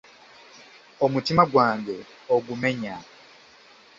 Omutima gwange ogumenya!